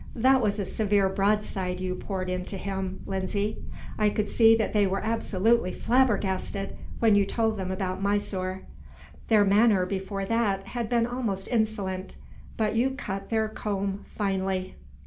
"That was a severe broadside you poured into him, Lindsay. I could see that they were absolutely flabbergasted, when you told them about Mysore. Their manner, before that, had been almost insolent. But you cut their comb finely."